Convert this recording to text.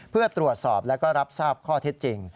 เพื่อตรวจสอบแล้วก็รับทราบข้อเท็จจริง